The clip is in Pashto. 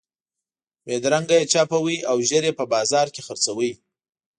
بېدرنګه یې چاپوئ او ژر یې په بازار کې خرڅوئ.